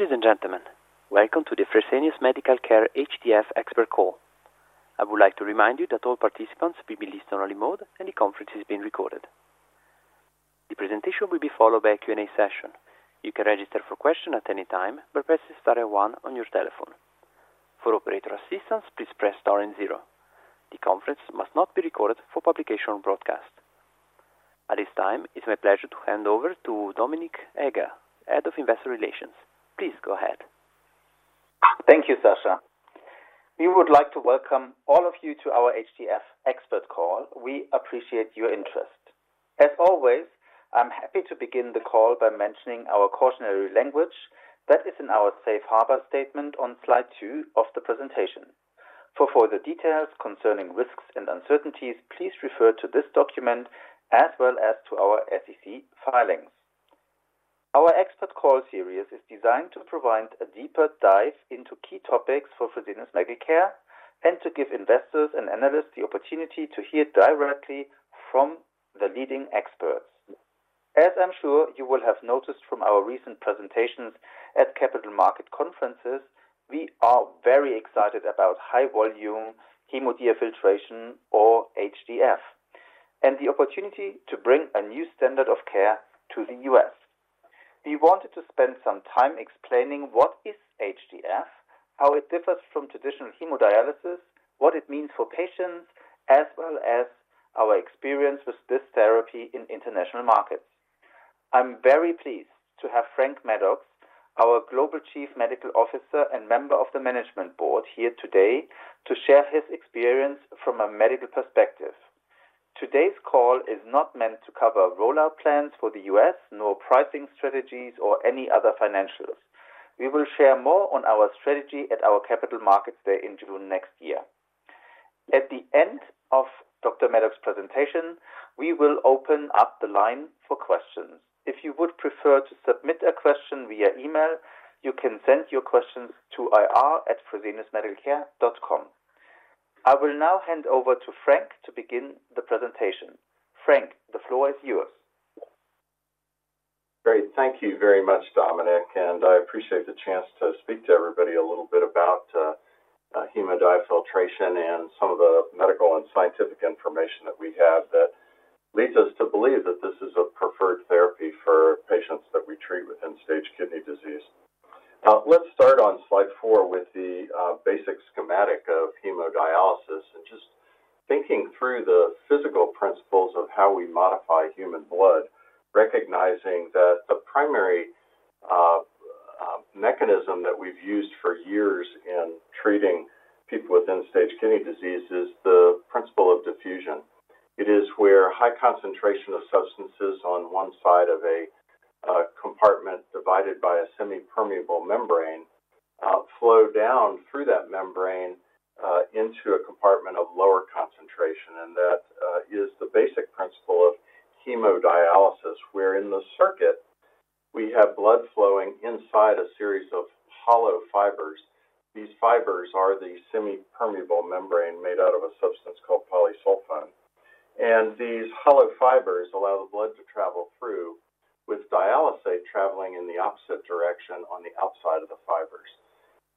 Ladies and gentlemen, welcome to the Fresenius Medical Care HDF Expert Call. I would like to remind you that all participants will be in listen-only mode, and the conference is being recorded. The presentation will be followed by a Q&A session. You can register for question at any time by pressing star one on your telephone. For operator assistance, please press star and zero. The conference must not be recorded for publication or broadcast. At this time, it's my pleasure to hand over to Dominic Heger, Head of Investor Relations. Please go ahead. Thank you, Sasha. We would like to welcome all of you to our HDF expert call. We appreciate your interest. As always, I'm happy to begin the call by mentioning our cautionary language that is in our safe harbor statement on slide two of the presentation. For further details concerning risks and uncertainties, please refer to this document as well as to our SEC filings. Our expert call series is designed to provide a deeper dive into key topics for Fresenius Medical Care, and to give investors and analysts the opportunity to hear directly from the leading experts. As I'm sure you will have noticed from our recent presentations at capital market conferences, we are very excited about high-volume hemodiafiltration, or HDF, and the opportunity to bring a new standard of care to the U.S. We wanted to spend some time explaining what is HDF, how it differs from traditional hemodialysis, what it means for patients, as well as our experience with this therapy in international markets. I'm very pleased to have Frank Maddux, our Global Chief Medical Officer and member of the management board, here today to share his experience from a medical perspective. Today's call is not meant to cover rollout plans for the U.S., nor pricing strategies or any other financials. We will share more on our strategy at our Capital Markets Day in June next year. At the end of Dr. Maddux's presentation, we will open up the line for questions. If you would prefer to submit a question via email, you can send your questions to ir@FreseniusMedicalCare.com. I will now hand over to Frank to begin the presentation. Frank, the floor is yours. Great. Thank you very much, Dominic, and I appreciate the chance to speak to everybody a little bit about, hemodiafiltration and some of the medical and scientific information that we have that leads us to believe that this is a preferred therapy for patients that we treat with end-stage kidney disease. Let's start on slide four with the, basic schematic of hemodialysis, and just thinking through the physical principles of how we modify human blood, recognizing that the primary, mechanism that we've used for years in treating people with end-stage kidney disease is the principle of diffusion. It is where high concentration of substances on one side of a, compartment divided by a semipermeable membrane, flow down through that membrane, into a compartment of lower concentration. And that is the basic principle of hemodialysis, where in the circuit, we have blood flowing inside a series of hollow fibers. These fibers are the semipermeable membrane made out of a substance called polysulfone. And these hollow fibers allow the blood to travel through, with dialysate traveling in the opposite direction on the outside of the fibers.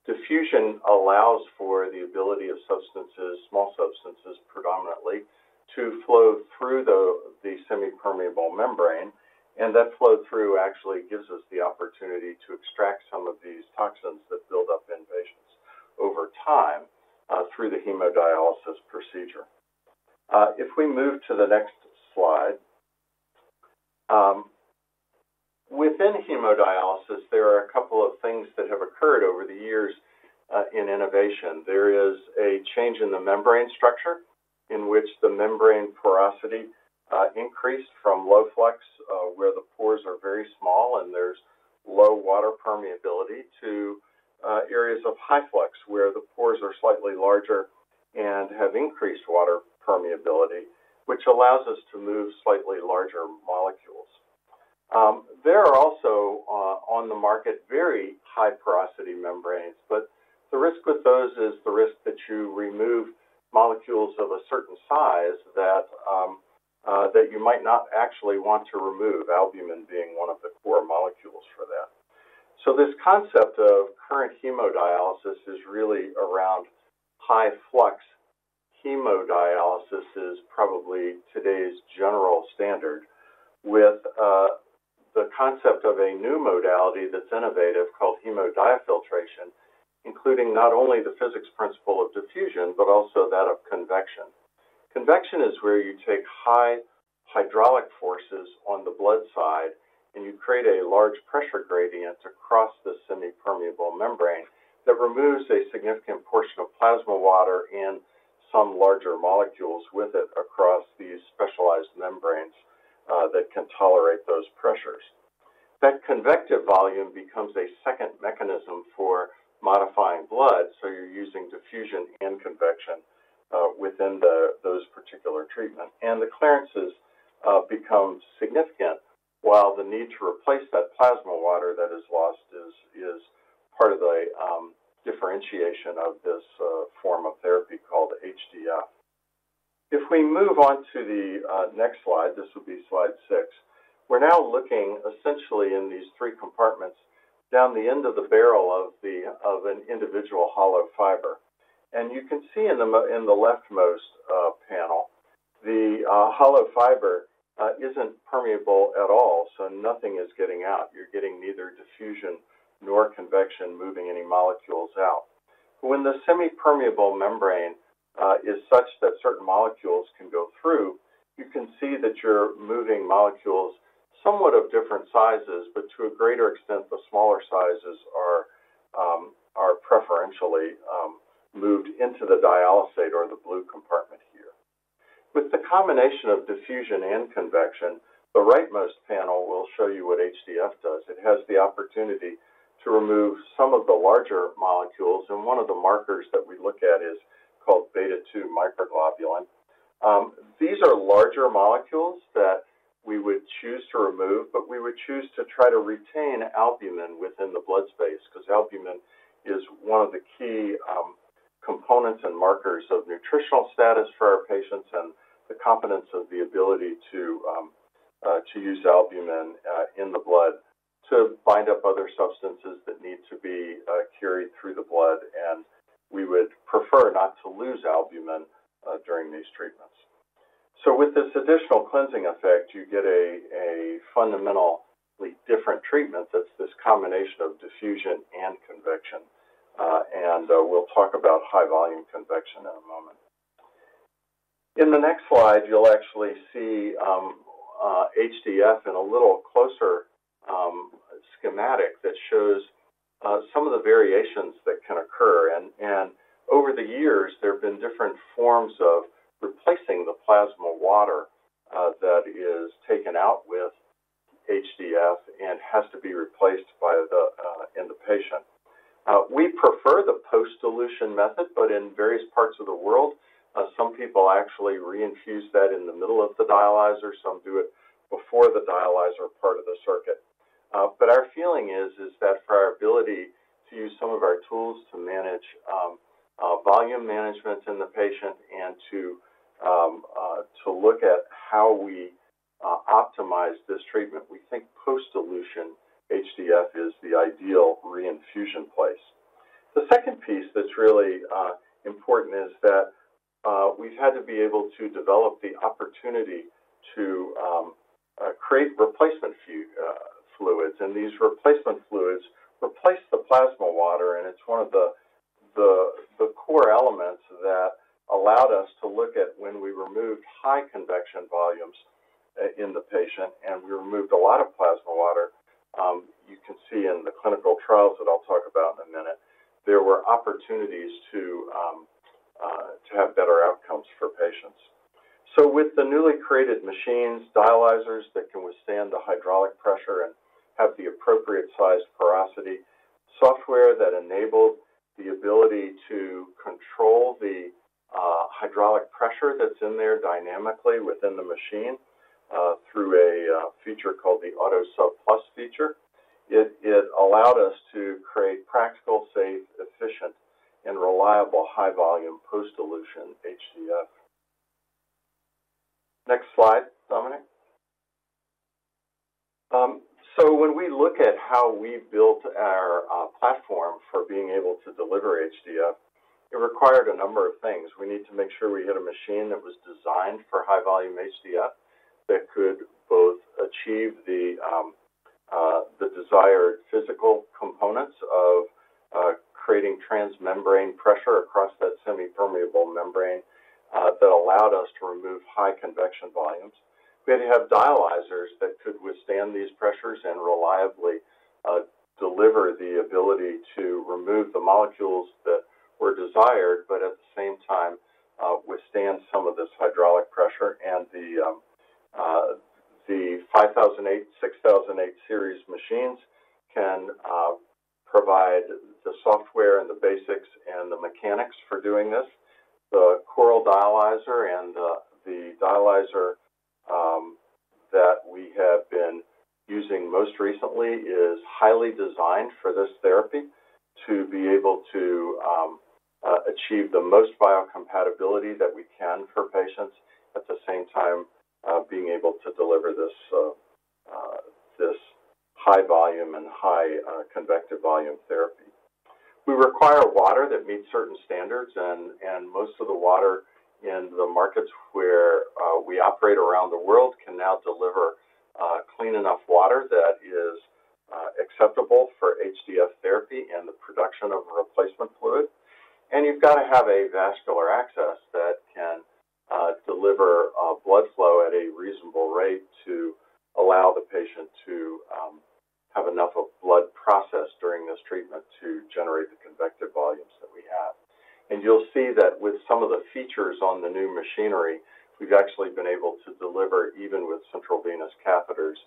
Diffusion allows for the ability of substances, small substances predominantly, to flow through the semipermeable membrane, and that flow through actually gives us the opportunity to extract some of these toxins that build up in patients over time, through the hemodialysis procedure. If we move to the next slide. Within hemodialysis, there are a couple of things that have occurred over the years, in innovation. There is a change in the membrane structure, in which the membrane porosity increased from low flux, where the pores are very small and there's low water permeability, to areas of high flux, where the pores are slightly larger and have increased water permeability, which allows us to move slightly larger molecules. There are also on the market very high porosity membranes, but the risk with those is the risk that you remove molecules of a certain size that you might not actually want to remove, albumin being one of the core molecules for that. So this concept of current hemodialysis is really around high flux. Hemodialysis is probably today's general standard, with the concept of a new modality that's innovative, called hemodiafiltration, including not only the physics principle of diffusion, but also that of convection. Convection is where you take high hydraulic forces on the blood side, and you create a large pressure gradient across the semi-permeable membrane that removes a significant portion of plasma water and some larger molecules with it across these specialized membranes that can tolerate those pressures. That convective volume becomes a second mechanism for modifying blood, so you're using diffusion and convection within those particular treatment, and the clearances become significant, while the need to replace that plasma water that is lost is part of the differentiation of this form of therapy called HDF. If we move on to the next slide, this will be slide six, we're now looking essentially in these three compartments down the end of the barrel of an individual hollow fiber. And you can see in the leftmost panel, the hollow fiber isn't permeable at all, so nothing is getting out. You're getting neither diffusion nor convection moving any molecules out. When the semipermeable membrane is such that certain molecules can go through, you can see that you're moving molecules somewhat of different sizes, but to a greater extent, the smaller sizes are preferentially moved into the dialysate or the blue compartment here. With the combination of diffusion and convection, the rightmost panel will show you what HDF does. It has the opportunity to remove some of the larger molecules, and one of the markers that we look at is called beta-2 microglobulin. These are larger molecules that we would choose to remove, but we would choose to try to retain albumin within the blood space, 'cause albumin is one of the key components and markers of nutritional status for our patients, and the competence of the ability to use albumin in the blood to bind up other substances that need to be carried through the blood, and we would prefer not to lose albumin during these treatments. So with this additional cleansing effect, you get a fundamentally different treatment that's this combination of diffusion and convection. We'll talk about high-volume convection in a moment. In the next slide, you'll actually see HDF in a little closer schematic that shows some of the variations that can occur. Over the years, there have been different forms of replacing the plasma water that is taken out with HDF and has to be replaced in the patient. We prefer the post-dilution method, but in various parts of the world, some people actually reinfuse that in the middle of the dialyzer, some do it before the dialyzer part of the circuit. But our feeling is that for our ability to use some of our tools to manage volume management in the patient and to look at how we optimize this treatment, we think post-dilution HDF is the ideal reinfusion place. The second piece that's really important is that we've had to be able to develop the opportunity to create replacement fluids, and these replacement fluids replace the plasma water, and it's one of the core elements that allowed us to look at when we removed high convection volumes in the patient, and we removed a lot of plasma water. You can see in the clinical trials that I'll talk about in a minute, there were opportunities to have better outcomes for patients. So with the newly created machines, dialyzers that can withstand the hydraulic pressure and have the appropriate size porosity, software that enabled the ability to control the hydraulic pressure that's in there dynamically within the machine, through a feature called the AutoSub Plus feature, it allowed us to create practical, safe, efficient, and reliable high-volume post-dilution HDF. Next slide, Dominic. So when we look at how we built our platform for being able to deliver HDF, it required a number of things. We need to make sure we had a machine that was designed for high-volume HDF that could both achieve the desired physical components of creating transmembrane pressure across that semipermeable membrane that allowed us to remove high convection volumes. We had to have dialyzers that could withstand these pressures and reliably deliver the ability to remove the molecules that were desired, but at the same time, withstand some of this hydraulic pressure. The 5008, 6008 series machines can provide the software and the basics and the mechanics for doing this. The Coral dialyzer and the dialyzer that we have been using most recently is highly designed for this therapy to be able to achieve the most biocompatibility that we can for patients, at the same time, being able to deliver this high volume and high convective volume therapy. We require water that meets certain standards, and most of the water in the markets where we operate around the world can now deliver clean enough water that is acceptable for HDF therapy and the production of replacement fluid. And you've got to have a vascular access that can deliver blood flow at a reasonable rate to allow the patient to have enough of blood processed during this treatment to generate the convective volumes that we have. And you'll see that with some of the features on the new machinery, we've actually been able to deliver, even with central venous catheters,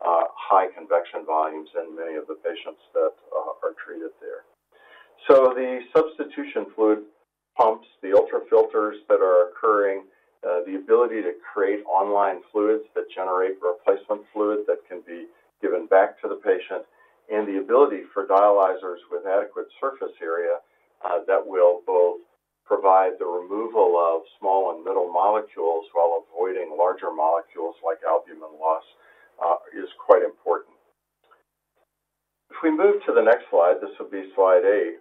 high convection volumes in many of the patients that are treated there. So the substitution fluid pumps, the ultrafiltration that is occurring, the ability to create online fluids that generate replacement fluid that can be given back to the patient... and the ability for dialyzers with adequate surface area, that will both provide the removal of small and middle molecules while avoiding larger molecules like albumin loss, is quite important. If we move to the next slide, this will be slide eight.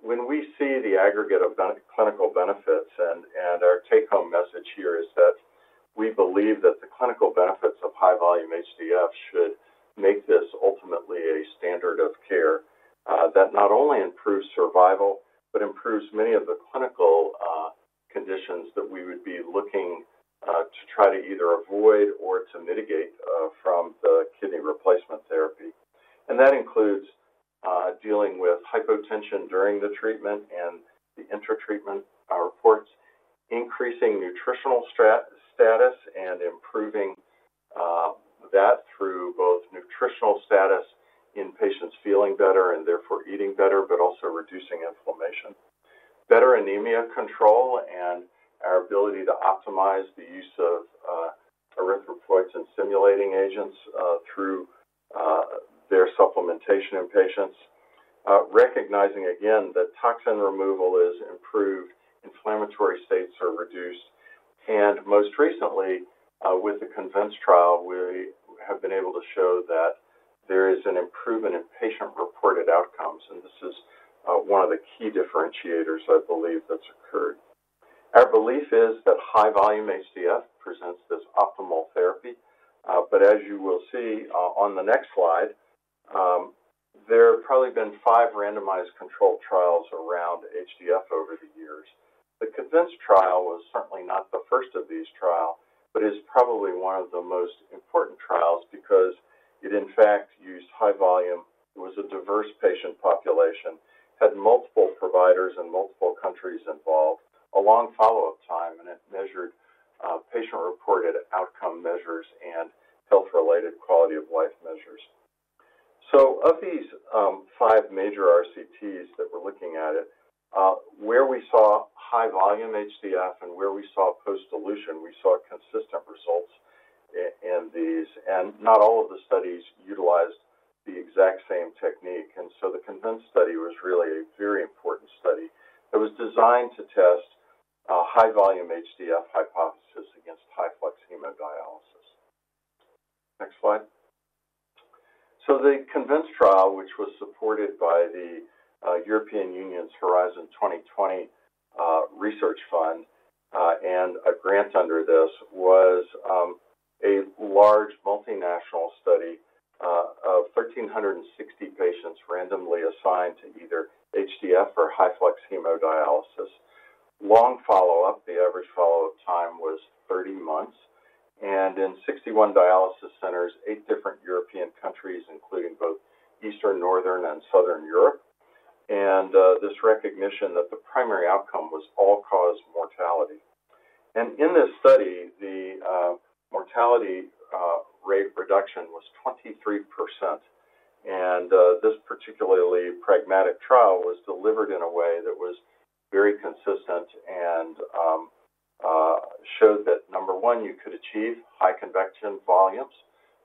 When we see the aggregate of clinical benefits and our take-home message here is that we believe that the clinical benefits of high-volume HDF should make this ultimately a standard of care, that not only improves survival, but improves many of the clinical conditions that we would be looking to try to either avoid or to mitigate from the kidney replacement therapy. And that includes, dealing with hypotension during the treatment and the inter-treatment reports, increasing nutritional status, and improving that through both nutritional status in patients feeling better and therefore eating better, but also reducing inflammation. Better anemia control and our ability to optimize the use of erythropoietin-stimulating agents through their supplementation in patients. Recognizing again that toxin removal is improved, inflammatory states are reduced, and most recently, with the CONVINCE trial, we have been able to show that there is an improvement in patient-reported outcomes, and this is one of the key differentiators I believe that's occurred. Our belief is that high-volume HDF presents this optimal therapy, but as you will see on the next slide, there have probably been five randomized controlled trials around HDF over the years. The CONVINCE trial was certainly not the first of these trial, but is probably one of the most important trials, because it in fact used high volume. It was a diverse patient population, had multiple providers and multiple countries involved, a long follow-up time, and it measured patient-reported outcome measures and health-related quality of life measures. So of these, five major RCTs that we're looking at it, where we saw high-volume HDF and where we saw post dilution, we saw consistent results in these, and not all of the studies utilized the exact same technique. And so the CONVINCE study was really a very important study. It was designed to test a high-volume HDF hypothesis against high-flux hemodialysis. Next slide. So the CONVINCE trial, which was supported by the European Union's Horizon 2020 Research Fund, and a grant under this was a large multinational study of 1,360 patients randomly assigned to either HDF or high-flux hemodialysis. Long follow-up, the average follow-up time was 30 months, and in 61 dialysis centers, eight different European countries, including both Eastern, Northern, and Southern Europe, and this recognition that the primary outcome was all-cause mortality. And in this study, the mortality rate reduction was 23%, and this particularly pragmatic trial was delivered in a way that was very consistent and showed that, number one, you could achieve high convection volumes.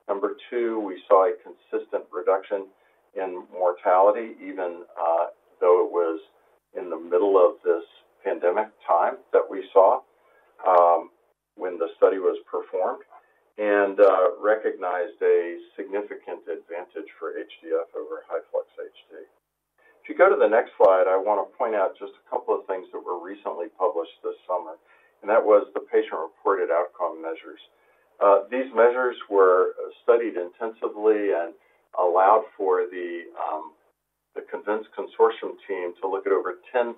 Number two, we saw a consistent reduction in mortality, even though it was in the middle of this pandemic time that we saw when the study was performed, and recognized a significant advantage for HDF over high-flux HD. If you go to the next slide, I want to point out just a couple of things that were recently published this summer, and that was the patient-reported outcome measures. These measures were studied intensively and allowed for the the CONVINCE consortium team to look at over 10,000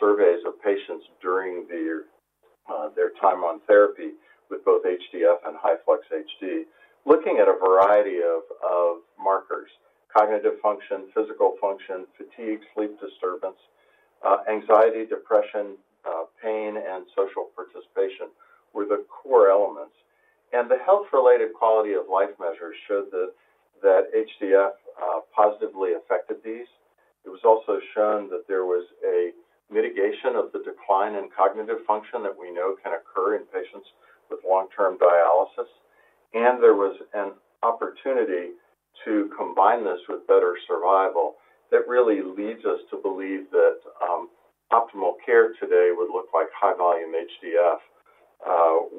surveys of patients during their time on therapy with both HDF and high-flux HD. Looking at a variety of markers, cognitive function, physical function, fatigue, sleep disturbance, anxiety, depression, pain, and social participation were the core elements. And the health-related quality of life measures showed that HDF positively affected these. It was also shown that there was a mitigation of the decline in cognitive function that we know can occur in patients with long-term dialysis, and there was an opportunity to combine this with better survival. That really leads us to believe that optimal care today would look like high-volume HDF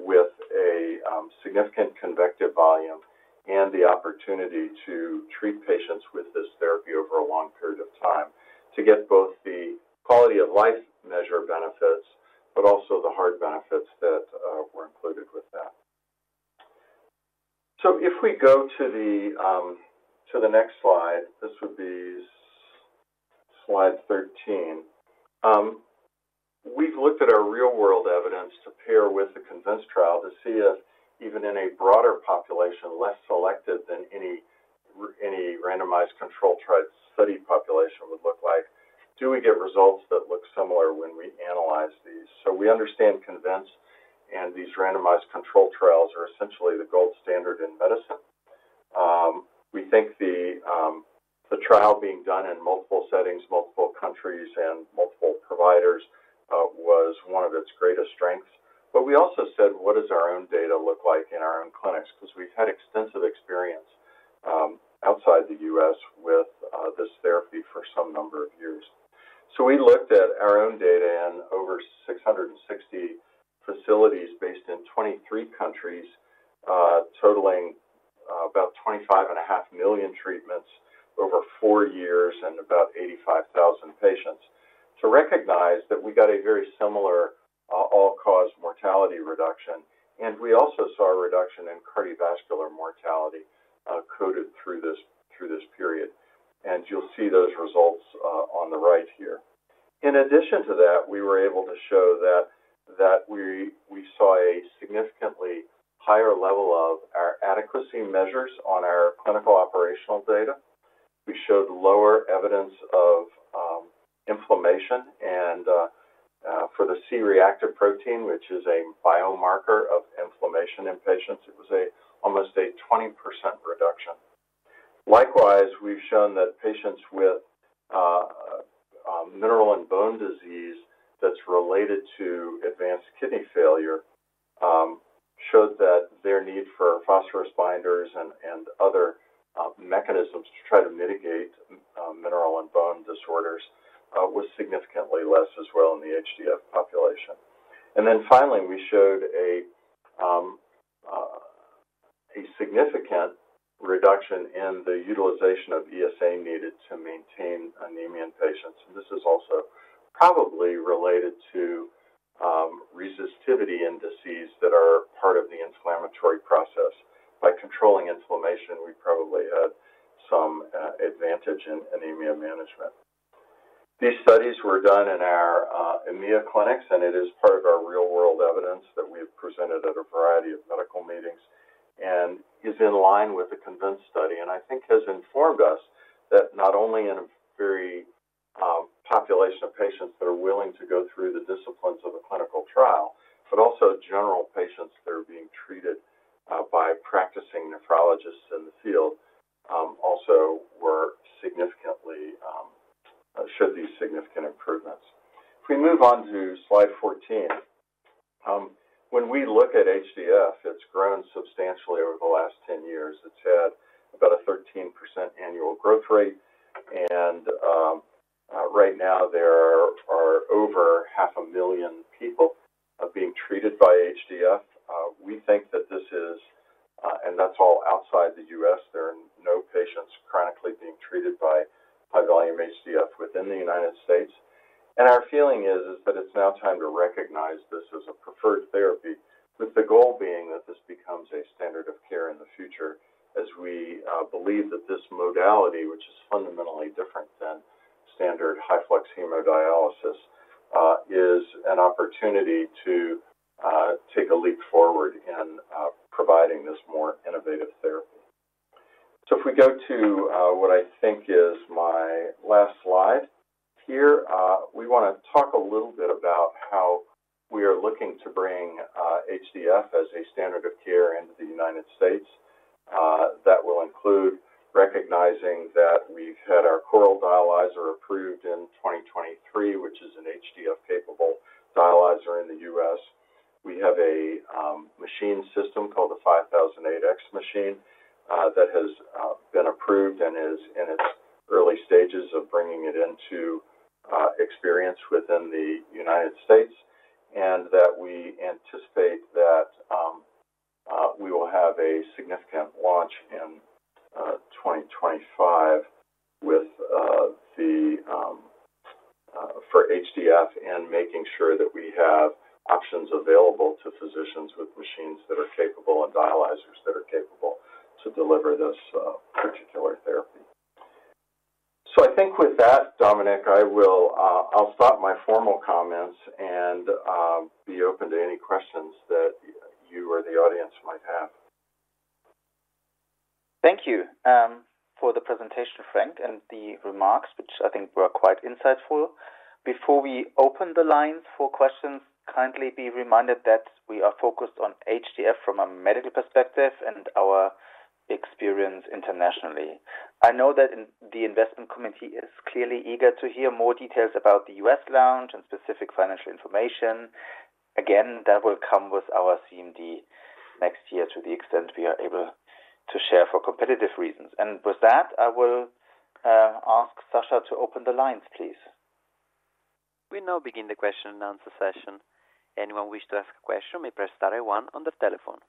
with a significant convective volume and the opportunity to treat patients with this therapy over a long period of time to get both the quality of life measure benefits, but also the hard benefits that were included with that. So if we go to the next slide, this would be slide 13. We've looked at our real-world evidence to pair with the CONVINCE trial to see if even in a broader population, less selected than any randomized controlled trial study population would look like, do we get results that look similar when we analyze these? So we understand CONVINCE and these randomized controlled trials are essentially the gold standard in medicine. We think the trial being done in multiple settings, multiple countries, and multiple providers was one of its greatest strengths. But we also said, what does our own data look like in our own clinics? Because we've had extensive experience outside the US with this therapy for some number of years. We looked at our own data in over 660 facilities based in 23 countries, totaling about 25.5 million treatments over four years and about 85,000 patients, to recognize that we got a very similar all-cause mortality reduction, and we also saw a reduction in cardiovascular mortality coded through this period. You'll see those results on the right here. In addition to that, we were able to show that we saw a significantly higher level of our adequacy measures on our clinical operational data. We showed lower evidence of inflammation and for the C-reactive protein, which is a biomarker of inflammation in patients, it was almost a 20% reduction. Likewise, we've shown that patients with mineral and bone disease that's related to advanced kidney failure showed that their need for phosphorus binders and other mechanisms to try to mitigate mineral and bone disorders was significantly less as well in the HDF population. And then finally, we showed a significant reduction in the utilization of ESA needed to maintain anemia in patients. And this is also probably related to resistive indices that are part of the inflammatory process. By controlling inflammation, we probably had some advantage in anemia management. These studies were done in our EMEA clinics, and it is part of our real-world evidence that we have presented at a variety of medical meetings and is in line with the CONVINCE study, and I think has informed us that not only in a very population of patients that are willing to go through the disciplines of a clinical trial, but also general patients that are being treated by practicing nephrologists in the field also were significantly showed these significant improvements. If we move on to slide 14. When we look at HDF, it's grown substantially over the last 10 years. It's had about a 13% annual growth rate, and right now there are over 500,000 people being treated by HDF. We think that this is, and that's all outside the US. There are no patients chronically being treated by high-volume HDF within the United States. And our feeling is that it's now time to recognize this as a preferred therapy, with the goal being that this becomes a standard of care in the future, as we believe that this modality, which is fundamentally different than standard high-flux hemodialysis, is an opportunity to take a leap forward in providing this more innovative therapy. So if we go to what I think is my last slide here, we want to talk a little bit about how we are looking to bring HDF as a standard of care into the United States. That will include recognizing that we've had our Coral dialyzer approved in 2023, which is an HDF-capable dialyzer in the U.S. We have a machine system called the 5008X machine that has been approved and is in its early stages of bringing it into experience within the United States, and that we anticipate that we will have a significant launch in 2025 with the for HDF and making sure that we have options available to physicians with machines that are capable and dialyzers that are capable to deliver this particular therapy. So I think with that, Dominic, I'll stop my formal comments and be open to any questions that you or the audience might have. Thank you for the presentation, Frank, and the remarks, which I think were quite insightful. Before we open the lines for questions, kindly be reminded that we are focused on HDF from a medical perspective and our experience internationally. I know that the investment community is clearly eager to hear more details about the US launch and specific financial information. Again, that will come with our CMD next year to the extent we are able to share for competitive reasons, and with that, I will ask Sasha to open the lines, please. We now begin the question and answer session. Anyone wish to ask a question may press star one on the telephone.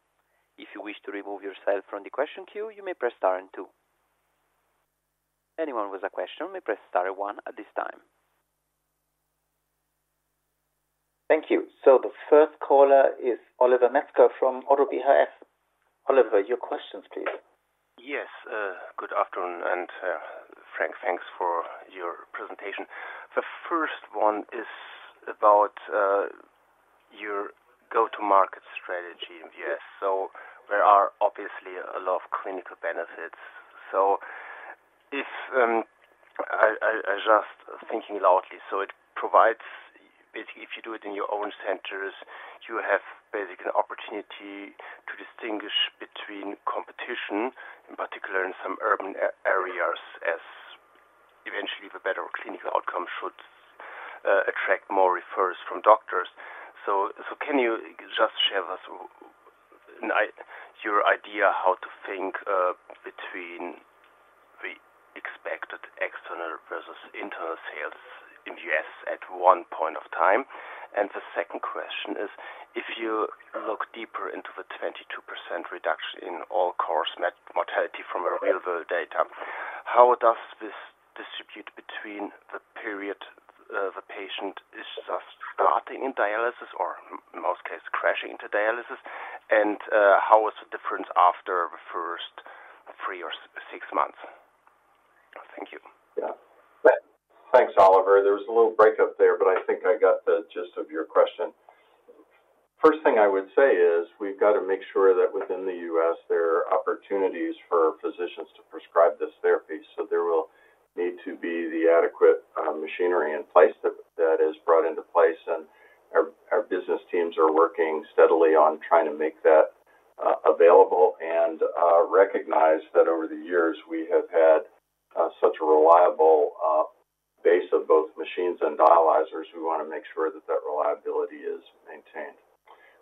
If you wish to remove yourself from the question queue, you may press star and two. Anyone with a question may press star one at this time. Thank you. So the first caller is Oliver Metzger from Oddo BHF. Oliver, your questions, please. Yes, good afternoon, and Frank, thanks for your presentation. The first one is about your go-to-market strategy in the US, so there are obviously a lot of clinical benefits, so if I'm just thinking out loud, so it provides basically, if you do it in your own centers, you have basically an opportunity to distinguish between competition, in particular in some urban areas as-... eventually, the better clinical outcome should attract more referrers from doctors. So, so can you just share with us your idea how to think between the expected external versus internal sales in the US at one point of time? And the second question is, if you look deeper into the 22% reduction in all-cause mortality from real world data, how does this distribute between the period the patient is just starting in dialysis, or in most cases, crashing into dialysis? And how is the difference after the first three or six months? Thank you. Yeah. Thanks, Oliver. There was a little breakup there, but I think I got the gist of your question. First thing I would say is we've got to make sure that within the U.S., there are opportunities for physicians to prescribe this therapy. So there will need to be the adequate machinery in place that is brought into place, and our business teams are working steadily on trying to make that available, and recognize that over the years, we have had such a reliable base of both machines and dialyzers. We want to make sure that that reliability is maintained.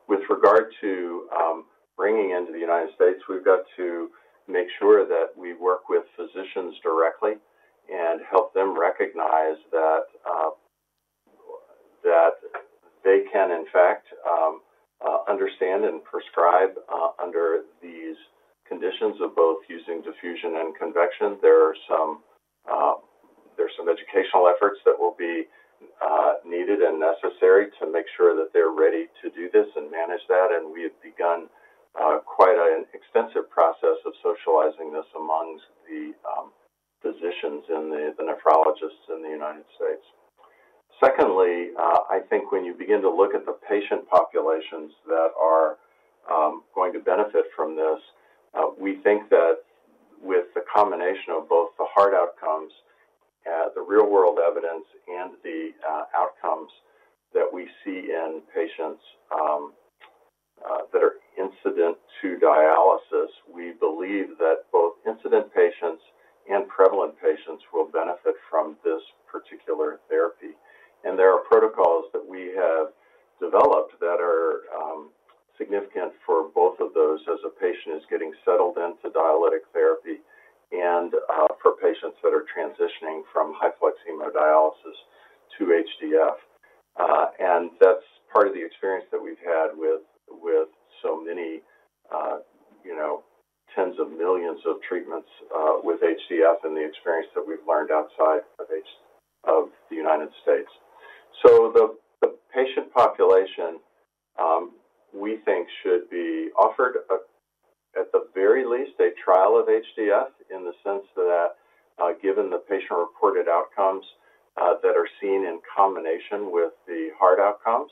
With regard to bringing into the United States, we've got to make sure that we work with physicians directly and help them recognize that they can, in fact, understand and prescribe under these conditions of both using diffusion and convection. There's some educational efforts that will be needed and necessary to make sure that they're ready to do this and manage that, and we've begun quite an extensive process of socializing this amongst the physicians and the nephrologists in the United States. Secondly, I think when you begin to look at the patient populations that are going to benefit from this, we think that with the combination of both the hard outcomes, the real-world evidence, and the outcomes that we see in patients that are incident to dialysis, we believe that both incident patients and prevalent patients will benefit from this particular therapy, and there are protocols that we have developed that are significant for both of those as a patient is getting settled into dialytic therapy, and for patients that are transitioning from high flux hemodialysis to HDF, and that's part of the experience that we've had with so many, you know, tens of millions of treatments with HDF and the experience that we've learned outside of the United States. So the patient population, we think should be offered, at the very least, a trial of HDF in the sense that, given the patient-reported outcomes, that are seen in combination with the hard outcomes,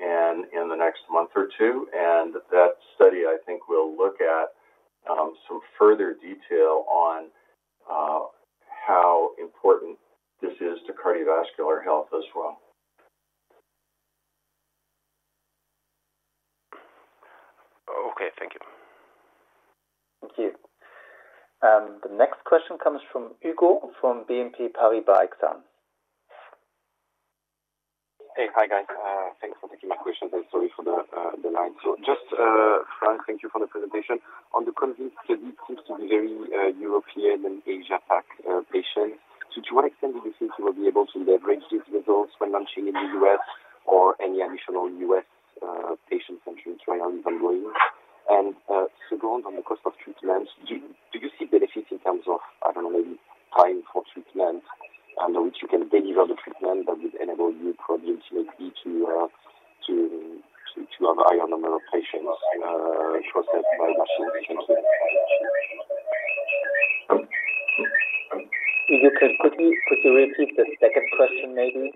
and in the next month or two. And that study, I think, will look at some further detail on how important this is to cardiovascular health as well. Okay. Thank you. Thank you. The next question comes from Hugo, from BNP Paribas Exane. Hey. Hi, guys. Thanks for taking my questions and sorry for the line. So just, Frank, thank you for the presentation. On the countries that it seems to be very European and Asia Pac patients, to what extent do you think you will be able to leverage these results when launching in the US or any additional US patient countries where you are ongoing? And second, on the cost of treatments, do you see benefits in terms of, I don't know, maybe time for treatment, and which you can deliver the treatment that would enable you probably to have a higher number of patients for that? Thank you. Hugo, could you repeat the second question, maybe?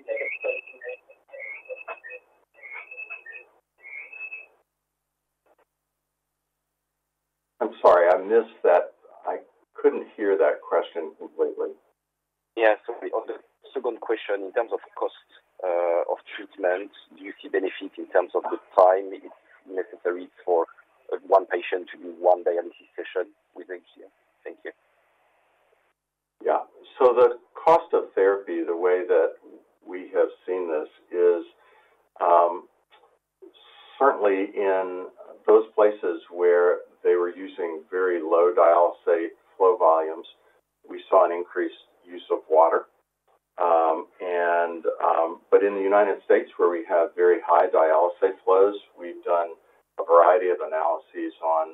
I'm sorry, I missed that. I couldn't hear that question completely. ... Yeah, so the other second question, in terms of cost, of treatment, do you see benefit in terms of the time it's necessary for one patient to do one day session with HDF? Thank you. Yeah. So the cost of therapy, the way that we have seen this, is certainly in those places where they were using very low dialysate flow volumes, we saw an increased use of water. And, but in the United States, where we have very high dialysate flows, we've done a variety of analyses on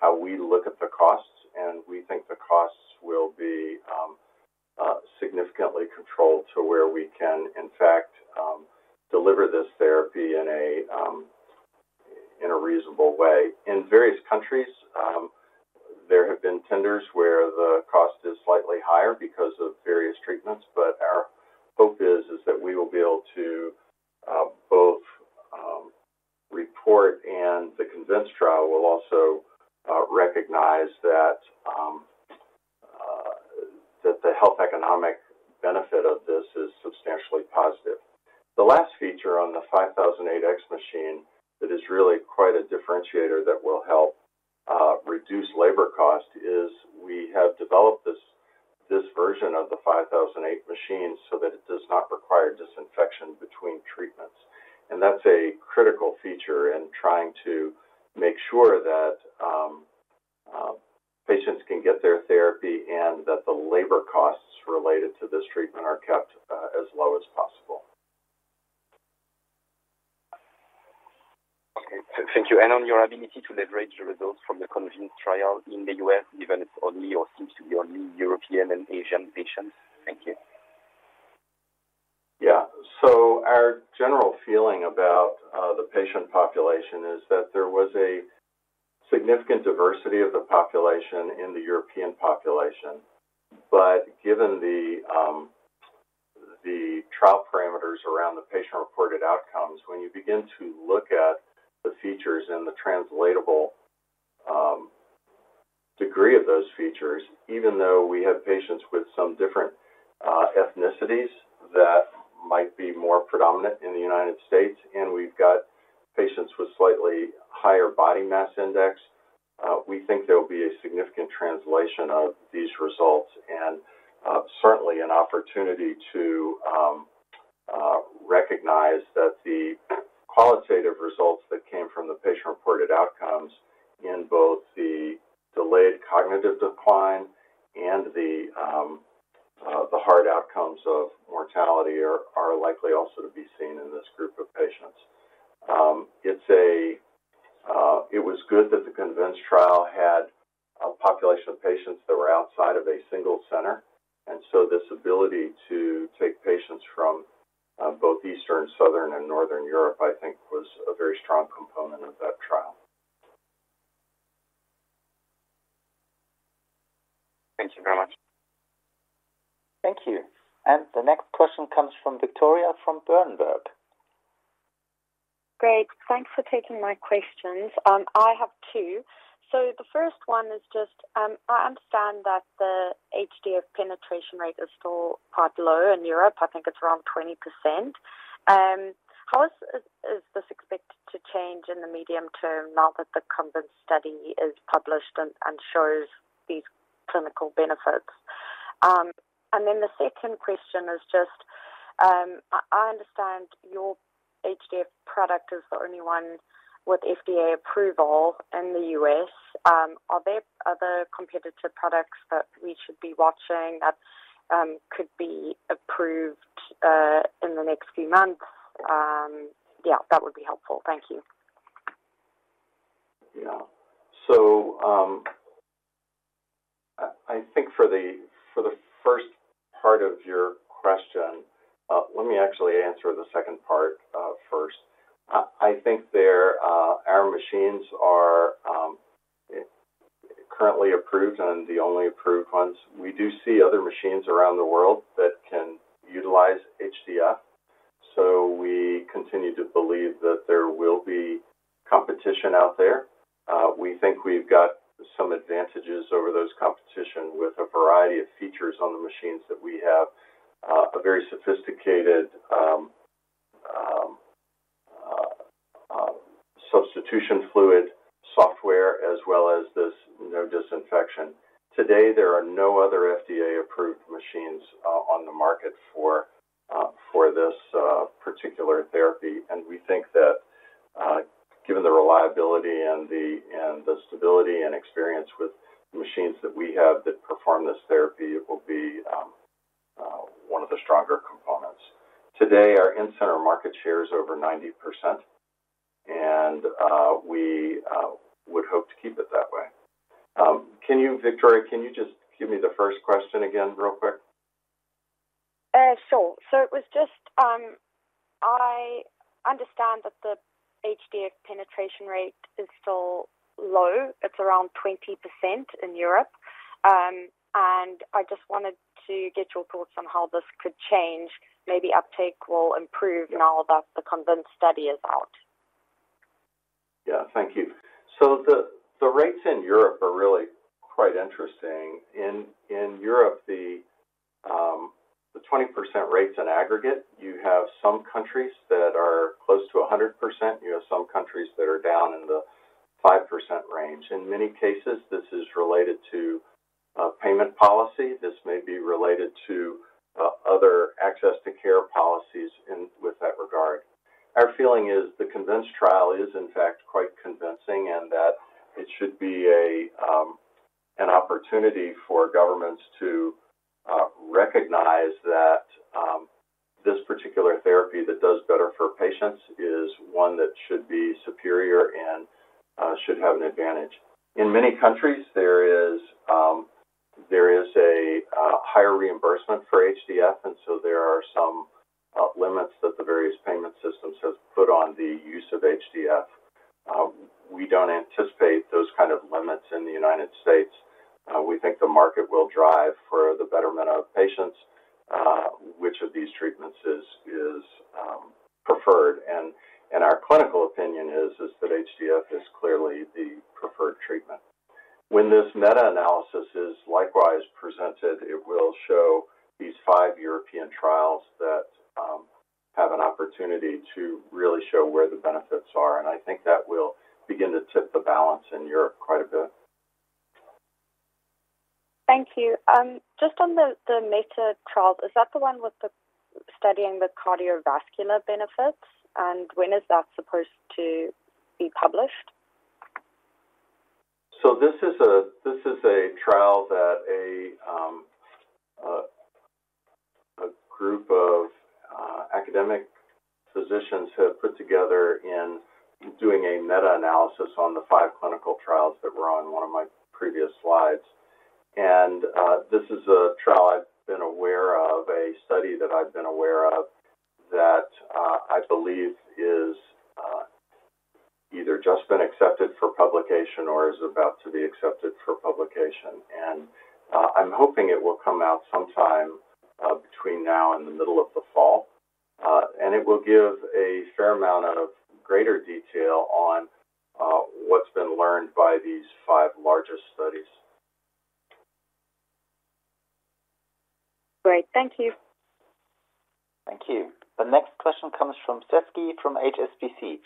how we look at the costs, and we think the costs will be significantly controlled to where we can, in fact, deliver this therapy in a reasonable way. In various countries, there have been tenders where the cost is slightly higher because of various treatments, but our hope is that we will be able to both report, and the CONVINCE trial will also recognize that the health economic benefit of this is substantially positive. The last feature on the 5008X machine that is really quite a differentiator that will help reduce labor cost is we have developed this version of the 5008X machine so that it does not require disinfection between treatments. That's a critical feature in trying to make sure that patients can get their therapy and that the labor costs related to this treatment are kept as low as possible. Okay, thank you. And on your ability to leverage the results from the CONVINCE trial in the U.S., even if only or seems to be only European and Asian patients? Thank you. Yeah. So our general feeling about the patient population is that there was a significant diversity of the population in the European population. But given the trial parameters around the patient-reported outcomes, when you begin to look at the features and the translatable degree of those features, even though we have patients with some different ethnicities that might be more predominant in the United States, and we've got patients with slightly higher body mass index, we think there will be a significant translation of these results. And certainly an opportunity to recognize that the qualitative results that came from the patient-reported outcomes in both the delayed cognitive decline and the hard outcomes of mortality are likely also to be seen in this group of patients. It was good that the CONVINCE trial had a population of patients that were outside of a single center, and so this ability to take patients from both Eastern, Southern and Northern Europe, I think was a very strong component of that trial. Thank you very much. Thank you. And the next question comes from Victoria from Berenberg. Great, thanks for taking my questions. I have two. So the first one is just, I understand that the HDF penetration rate is still quite low in Europe. I think it's around 20%. How is this expected to change in the medium term now that the CONVINCE study is published and shows these clinical benefits? And then the second question is just, I understand your HDF product is the only one with FDA approval in the US. Are there other competitive products that we should be watching that could be approved in the next few months? Yeah, that would be helpful. Thank you. Yeah. So, I think for the first part of your question, let me actually answer the second part first. I think our machines are currently approved and the only approved ones. We do see other machines around the world that can utilize HDF, so we continue to believe that there will be competition out there. We think we've got some advantages over those competition with a variety of features on the machines that we have, a very sophisticated substitution fluid software, as well as this no disinfection. Today, there are no other FDA-approved machines on the market for this particular therapy. We think that, given the reliability and the stability and experience with machines that we have that perform this therapy, it will be one of the stronger components. Today, our in-center market share is over 90%, and we would hope to keep it that way. Can you, Victoria, can you just give me the first question again real quick? Sure, so it was just, I understand that the HDF penetration rate is still low. It's around 20% in Europe, and I just wanted to get your thoughts on how this could change. Maybe uptake will improve now that the CONVINCE study is out.... thank you, so the rates in Europe are really quite interesting. In Europe, the 20% rates in aggregate, you have some countries that are close to 100%. You have some countries that are down in the 5% range. In many cases, this is related to payment policy. This may be related to other access to care policies in that regard. Our feeling is the CONVINCE trial is, in fact, quite convincing, and that it should be an opportunity for governments to recognize that this particular therapy that does better for patients is one that should be superior and should have an advantage. In many countries, there is a higher reimbursement for HDF, and so there are some limits that the various payment systems have put on the use of HDF. We don't anticipate those kind of limits in the United States. We think the market will drive for the betterment of patients, which of these treatments is preferred, and our clinical opinion is that HDF is clearly the preferred treatment. When this meta-analysis is likewise presented, it will show these five European trials that have an opportunity to really show where the benefits are, and I think that will begin to tip the balance in Europe quite a bit. Thank you. Just on the CONVINCE trial, is that the one studying the cardiovascular benefits, and when is that supposed to be published? This is a trial that a group of academic physicians have put together in doing a meta-analysis on the five clinical trials that were on one of my previous slides. And this is a trial I've been aware of, a study that I've been aware of, that I believe is either just been accepted for publication or is about to be accepted for publication. And I'm hoping it will come out sometime between now and the middle of the fall. And it will give a fair amount of greater detail on what's been learned by these five larger studies. Great. Thank you. Thank you. The next question comes from Seferina from HSBC.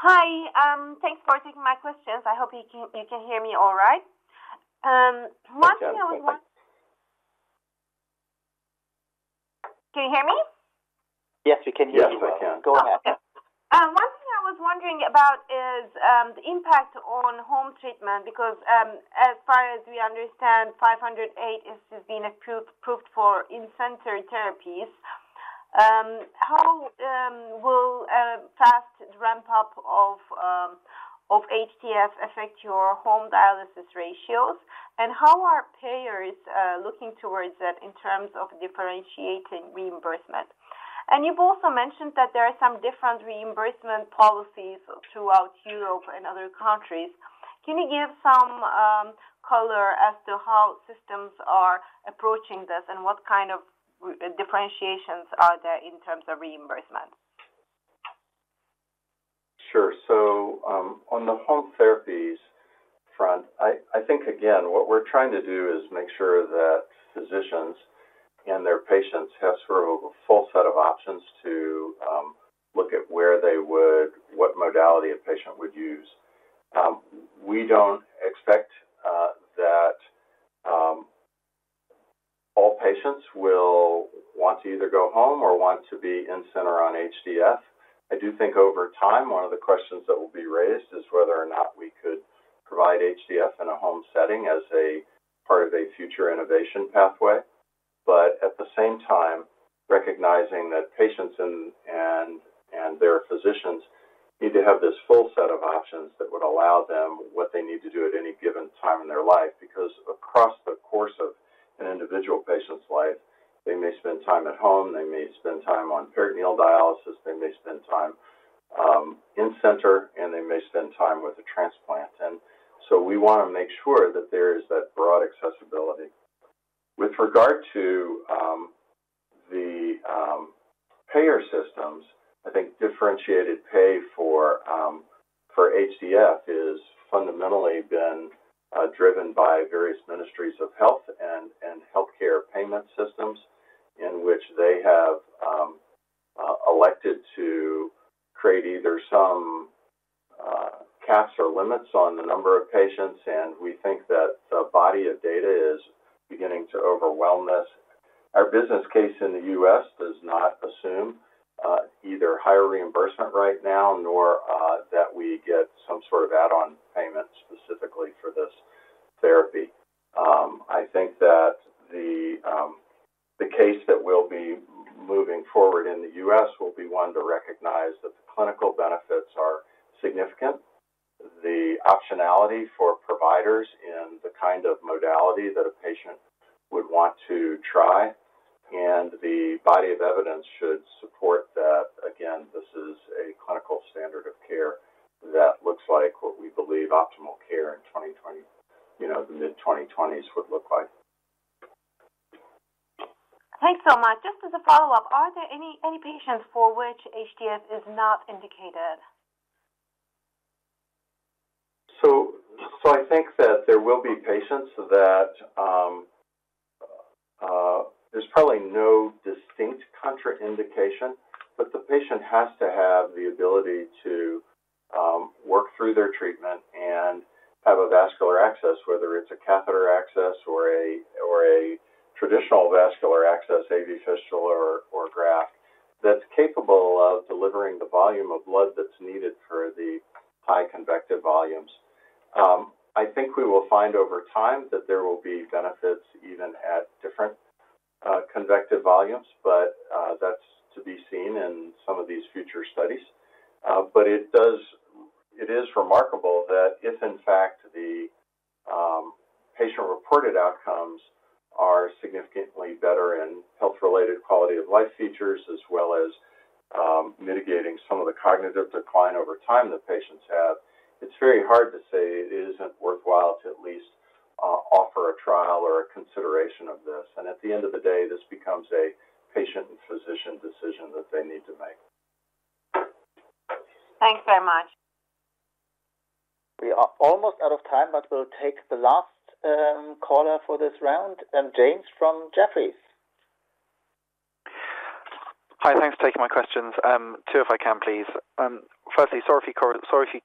Hi. Thanks for taking my questions. I hope you can hear me all right. One thing I want- Yes, we can. Can you hear me? Yes, we can hear you. Yes, I can. Go ahead. One thing I was wondering about is the impact on home treatment, because as far as we understand, five hundred and eight is just being approved for in-center therapies. How will fast ramp up of HDF affect your home dialysis ratios? And how are payers looking towards that in terms of differentiating reimbursement? And you've also mentioned that there are some different reimbursement policies throughout Europe and other countries. Can you give some color as to how systems are approaching this, and what kind of differentiations are there in terms of reimbursement? Sure. So, on the home therapies front, I think, again, what we're trying to do is make sure that physicians and their patients have sort of a full set of options to look at where they would, what modality a patient would use. We don't expect that all patients will want to either go home or want to be in-center on HDF. I do think over time, one of the questions that will be raised is whether or not we could provide HDF in a home setting as a part of a future innovation pathway. But at the same time, recognizing that patients and their physicians need to have this full set of options that would allow them what they need to do at any given time in their life. Because across the course of an individual patient's life, they may spend time at home, they may spend time on peritoneal dialysis, they may spend time in-center, and they may spend time with a transplant. And so we want to make sure that there is that broad accessibility. With regard to the payer systems, I think differentiated pay for HDF is fundamentally been driven by various ministries of health and healthcare payment systems, in which they have elected to create either some caps or limits on the number of patients, and we think that the body of data is beginning to overwhelm this. Our business case in the US does not assume either higher reimbursement right now, nor that we get some sort of add-on payment specifically for this therapy. I think that the case that we'll be moving forward in the U.S. will be one to recognize that the clinical benefits are significant, the optionality for providers in the kind of modality that a patient would want to try, and the body of evidence should support that, again, this is a clinical standard of care that looks like what we believe optimal care in 2020, you know, the mid-2020s would look like.... Thanks so much. Just as a follow-up, are there any patients for which HDF is not indicated? I think that there will be patients that, there's probably no distinct contraindication, but the patient has to have the ability to work through their treatment and have a vascular access, whether it's a catheter access or a traditional vascular access, AV fistula or graft, that's capable of delivering the volume of blood that's needed for the high convective volumes. I think we will find over time that there will be benefits even at different convective volumes, but that's to be seen in some of these future studies. But it is remarkable that if, in fact, the patient-reported outcomes are significantly better in health-related quality of life features, as well as mitigating some of the cognitive decline over time that patients have. It's very hard to say it isn't worthwhile to at least offer a trial or a consideration of this. And at the end of the day, this becomes a patient and physician decision that they need to make. Thanks very much. We are almost out of time, but we'll take the last caller for this round, and James from Jefferies. Hi, thanks for taking my questions. Two, if I can, please. Firstly, sorry if you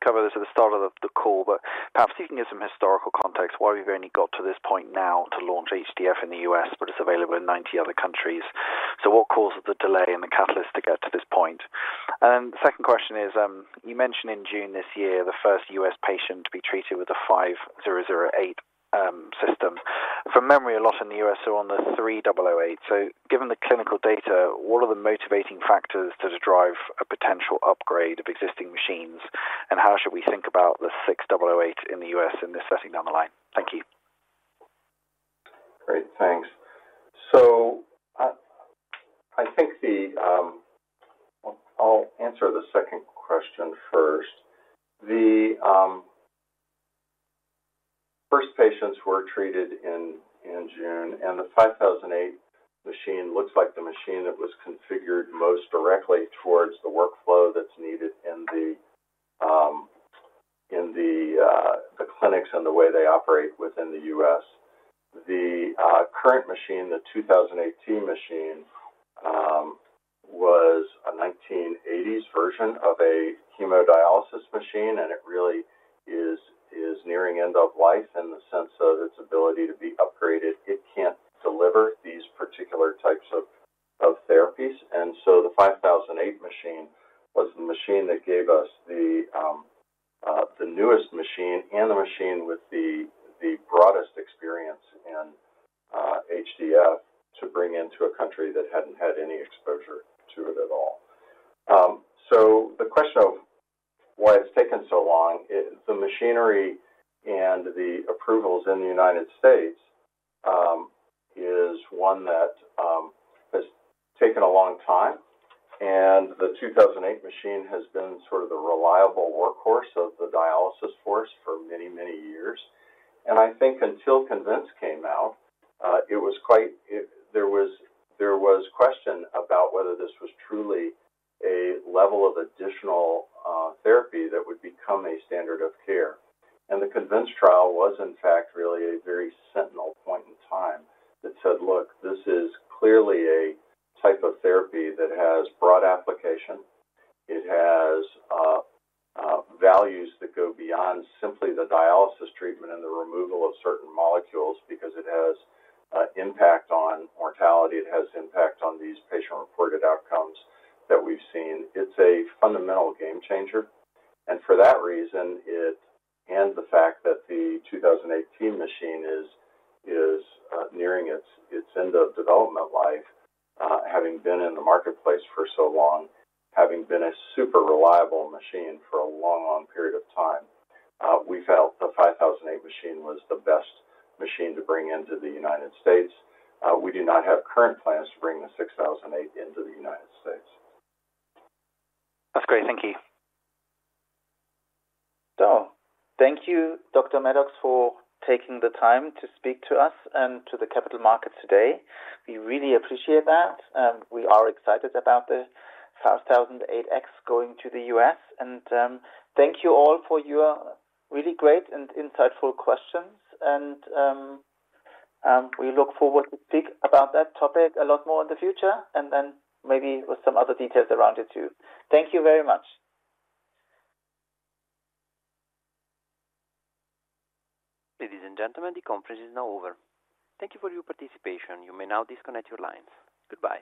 covered this at the start of the call, but perhaps you can give some historical context why we've only got to this point now to launch HDF in the US, but it's available in ninety other countries. So what caused the delay and the catalyst to get to this point? And second question is, you mentioned in June this year, the first US patient to be treated with the 5008X system. From memory, a lot in the US are on the 3008. So given the clinical data, what are the motivating factors to drive a potential upgrade of existing machines, and how should we think about the 6008 in the US in this setting down the line? Thank you. Great, thanks. So I think I'll answer the second question first. The first patients were treated in June, and the 5008X machine looks like the machine that was configured most directly towards the workflow that's needed in the clinics and the way they operate within the US. The current machine, the 2008 machine, was a 1980s version of a hemodialysis machine, and it really is nearing end of life in the sense of its ability to be upgraded. It can't deliver these particular types of therapies. And so the 5008 machine was the machine that gave us the newest machine and the machine with the broadest experience in HDF to bring into a country that hadn't had any exposure to it at all. So the question of why it's taken so long, the machinery and the approvals in the United States is one that has taken a long time, and the two thousand eight machine has been sort of the reliable workhorse of the dialysis floor for many, many years. I think until CONVINCE came out, there was question about whether this was truly a level of additional therapy that would become a standard of care. The CONVINCE trial was, in fact, really a very seminal point in time that said, "Look, this is clearly a type of therapy that has broad application. It has values that go beyond simply the dialysis treatment and the removal of certain Ladies and gentlemen, the conference is now over. Thank you for your participation. You may now disconnect your lines. Goodbye.